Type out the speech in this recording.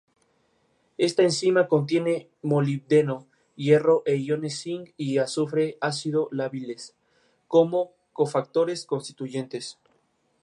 Ha sido parte de programas como "Giles Wemmbley-Hogg Goes Off" y "Tea for Two".